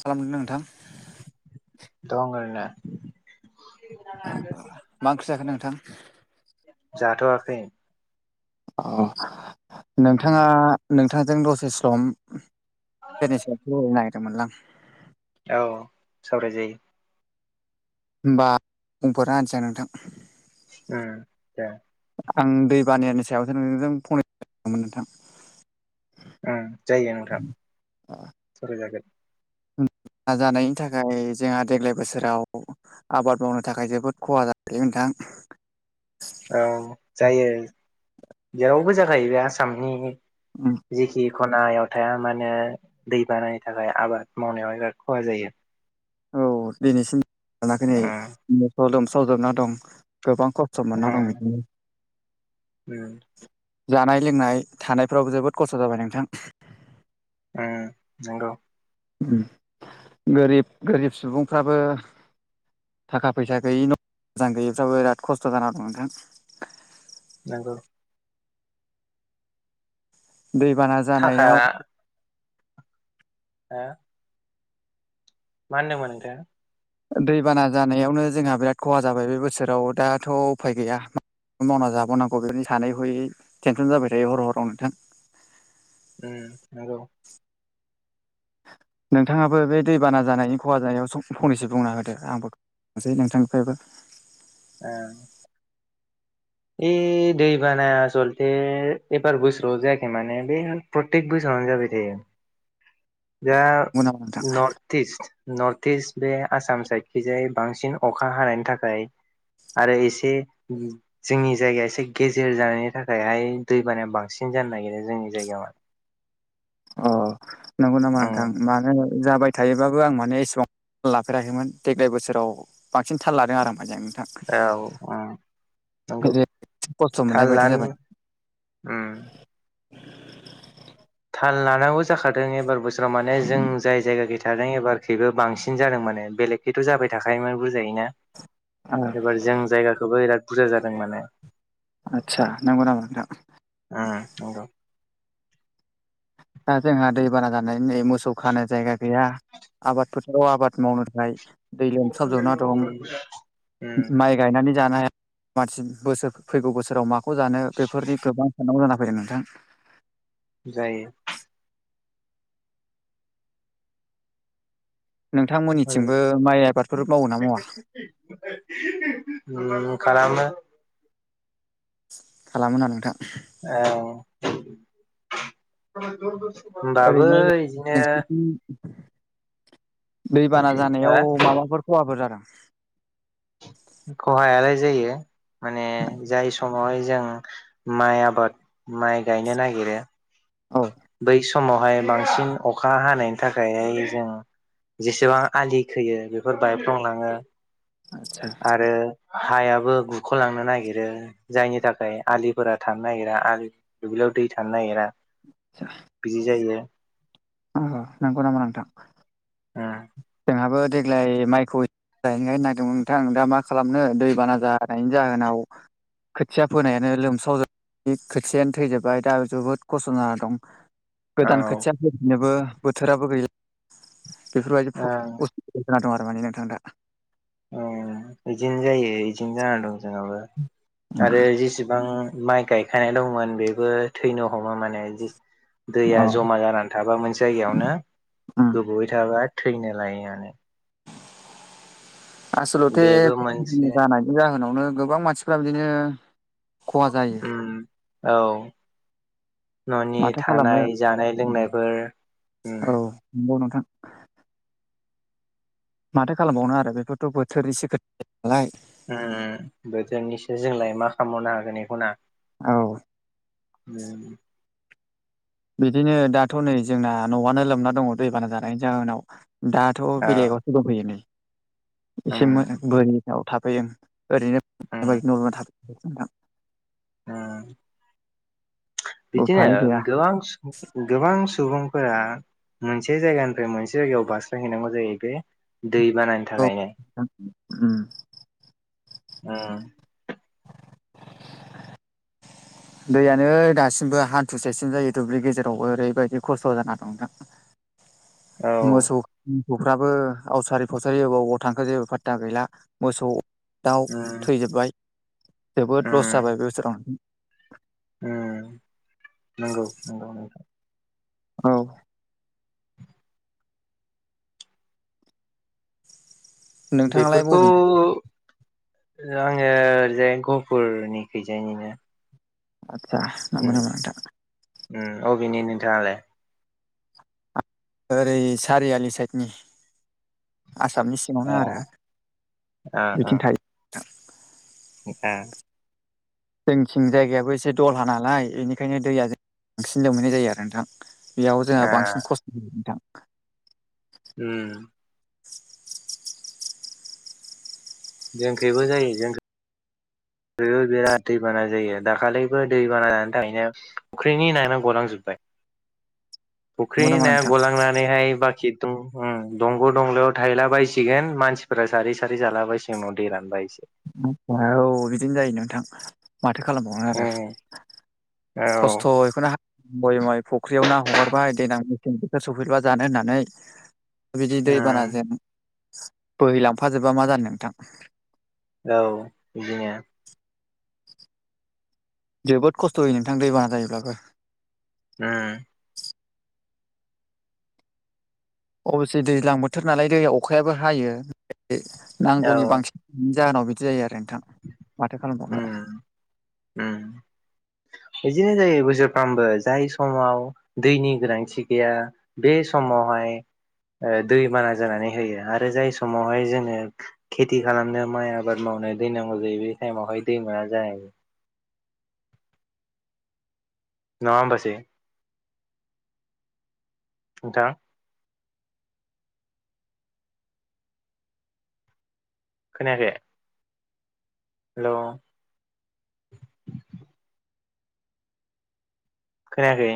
खालामदों नोंथां? दं एरैनो। मा ओंख्रि जाखो नोंथां? जाथ'वाखै। अह उम नोंथाङा नोंथांजों दसे सम [unintelligible] नागिरदों मोनलां औ सावराय जायो। होनोमबा बुंफोरना होनोसां नोंथां। उम दे आं दै बानायनि सायावथो नोंजों [unintelligible] नोंथां उम जायो नोंथाङां सावराय जागोन। दै जानायनि थाखाय जोंहा देग्लाय बोसोराव आबाद मावनो थाखाय जोबोद खहा जाबायलै नोंथां। औ जायो जेरावबो जाखायो बे आसामनि उम। जिखि खनायाव थाया माने दैबानानि थाखाय आबाद मावनायाव बिराद खहा जायो। औ दिनैसिम रानाखै नै उम नं स लोमसाव जोबनानै दं। गोबां खस्थ' मोनना दं उम बिदिनो उम। जानाय लोंनाय थानायफ्रावबो जोबोद खस्थ' जाबाय नोंथां। नंगौ। गोरिब गोरिब सुबुंफ्राबो थाखा फैसा गैयि न' मोजां गैयैफ्राबो बिराद खस्थ' जानानानै दं नोंथां। नोंगौ। दैबाना थाखा जानायाव हा मा होनदोंमोन नोंथाङा? दैबाना जानायावनो जोंहा बिराद खहा जाबाय बे बोसोराव दाथ' उफाय गैया। ओ मावना जाबावोनांगौ बेफोरनि सानै हयै टेनसन जाबाय थायो हर' हराव नोंथां। उम नंगौ। नोंथाङाबो बे दैबाना जानायनि खहा जानायाव फंनैसो बुंना होदो आंबोसै नोंथांनिफ्रायबो ओ ए दैबाना आसलथे एबार बोसोरावल' जायाखै माने बे प्रतेक बोसोरावनो जाबाय थायो। दा नंगौ नामा नोंथां नं नर्थ इस्ट नर्थ इस्ट बे आसाम साइडखिजाय बांसिन अखा हानायनि थाखाय। आरो एसे जोंनि जायगाया एसे गेजेर जानायनि थाखायहाय दैबानाया बांसिन जानो नागिरो जोंनि जायगायाव अ नंगौ नामा नोंथां उम मा जाबाय थायोबाबो आं माने एसेबां लाफेराखैमोन देग्लाय बोसोराव बांसिन थाललादों आर मोजांङैनो। औ औ नंगौ ओरै खस्थ' मोननाय बायदि थारला जाबाय ओम थाल लानांगौ जाखादों एबार बोसोराव माने जों जाय जायगाखै थादों एबारो बेबो बांसिन जादों माने बेलेगखैथ' जाबाय थाखायोमोन बुरजायोनो एबार जों जायगाखौबो बिराद बुरजा जादों माने। आतसा नांगौ नामा नोंथां। ओम। दा जोंहा दैबाना जानानै नै मोसौ खानो जायगा गैया आबाद फोथाराव आबाद मावनो थाखाय। दै लोमसाबजोबना दं [unintelligible] माइ गायनानै जानो हाया मानसि बोसोर फैगौ बोसोराव माखौबा जानो बेफोरनि गोबां साननांगौ जाना फैदों नोंथां। जायो। [inaudible] नोंथांमोननिथिंबो माइ आबादफोर मावो ना मावा? [unintelligible] खालामोना नोंथां? ओ ओरैनो होमबाबो इदिनो दैबाना हो जानायाव माबाफोर खहाफोर जादों नामा? खहायालाय जायो माने जाय समावहाय जों माइ आबाद माइ गायनो नागिरो औ बै समावहाय बांसिन अखा हानायनि थाखायहाय जों जेसेबां आलि खोयो बेफोर बायफ्लंलाङो। आदसा आरो हायाबो गुख'लांनो नागिरो जायनि थाखाय आलिफोरा थानो नागिरा दुब्लियाव दै थानो नागिरा आदसा बिदि जायो नों अ नंगौ नामा नोंथां ओ जोंहाबो देग्लाय माइखौ गायनो नागिरदोंमोन नोंथां दा मा खालामनो दै बाना जानायनि जाहोनाव खोथिया फोनायानो लोमस्रावजोब खोथियानो थैजोब्बाय दा जोबोद खस्थ' जाना दं औ गोदान खोथिया फैफिनोबो बोथोराबो गैला बेफोरबायदि ओं असुबिदा जाना दं आरो माने नोंथां दा अ इदिनो जायो इदिनो जाना दं जोंहाबो आरो जेसेबां माइ गाय गायनाय दंमोन बेबो थैनो हमो माने अ दैया जमा जानानै थाबा मोनसे जायगायावनो उम गोबोवै थाबा थैनो लायो माने आसलथे बेबो दैबाना मोनसे जानायनि जाहोनावनो गोबां मानसिफ्रा बिदिनो खहा जायो ओम औ न'नि माथो खालामनो थानाय जानाय लोंनायफोर औ नंगौ नोंथां माथो खालामबावनो आरो बेफोरथ' बोथोरनिसो खोथा नालाय ओम बोथोरनिसो जोंलाय मा खालामनो हागोन एखौ ना औ ओम बिदिनो दाथ' नै जोंना न'आनो लोमना दङ दैबाना जानायनि जाहनाव दाथ' औ बेलेगाव दंफैयो नै उम एसे मो बोरि आव थाफैदों ओरैनो उम न लुना थाफैदों नोंथां बिदिनो उफाय गैया गोबां गोबां सुबुंफोरा मोनसे जायगानिफ्राय मोनसे जायगायाव बारस्लायहैनांगौ जायो बे दै बानानानै औ [unintelligible] ओम ओम दैयानो दासिमबो हान्थुसेसिम जायो दुब्लि गेजेराव ओरैबायदि खस्थ' जाना दं दां औ मोसौ मोसौफ्राबो आवसारि फावसारि एबाव एबाव थांखो जेबो फात्ता गैला मोसौ दाउ उम थैजोबबाय जोबोद लस जाबाय बे बोसोराव ओम नंगौ नंगौ नोंथां औ नोंथाङालाय बेफोरखौ बबेनि आङो ओरैजाय गहफुरनिखैजायनिनो आदसा नंगौ नामा नोंथां अबेनि नोंथाङालाय ओरै सारियालि साइडनि आसामनि अ ओ सिङावनो आरो बेथिं थायो ए जोंनिथिं जायगायाबो एसे दलहा नालाय बेनिखायनो दैया बांसिन लोमहैनाय जायो आरो नोंथां बेयाव जोंहा बांसिन खस्थ' होयो नोंथां उम जोंखैबो जायो जोंखै बेबो बिराद दैबाना जायो दाखालिबो दैबाना जानायनि थाखायनो फख्रिनि नाया गलांजोबबाय फुख्रि नंगौ नामा नाया नोंथां गलांनानैहाय बाखि [inaudible] दंग' दंलायाव थायला बायसिगोन मानसिफोरा सारै सारै जाला बायसिगोन उनाव दै रानबा [unintelligible] औ बिदिनो जायो नोंथां माथो खालामबावोन आरो उम औ खस्थ' बेखौनो बय मय फुख्रियाव ना हगारबाय देनां मेसें बोथोर सौफैबा जानो होननानै बिदि उम दैबानाजों बोहैलांफाजोबा मा जानो नोंथां औ बिदिनो। जोबोद खस्थ' होयो नोंथां दैबाना जायोब्लाबो। उम अबसे दैज्लां बोथोर नालाय दैया अखायाबो हायो औ नांगौनि बांसिन नि जाहोनाव बिदि जायो आरो नोंथां माथो खालामबावनो उम आरो। उम बिदिनो जायो बोसोरफ्रामबो जाय समाव दैनि गोनांथि गैया बे समावहाय ओ दैबाना जानानै होयो आरो जाय समावहाय जोंनो खेथि खालामनो माइ आबाद मावनो दै नांगौ जायो बे टाइमावहाय दै मोना जायो। नङा होमबासै नोंथां खोनायाखै हेल' खोनायाखै